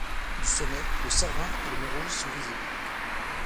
Du sommet, le Cervin et le mont Rose sont visibles.